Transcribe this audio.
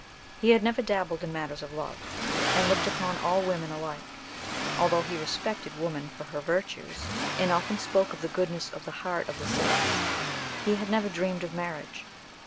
He had never dabbled in matters of love, and looked upon all women alike. Although he respected woman for her virtues, and often spoke of the goodness of heart of the sex, he had never dreamed of marriage.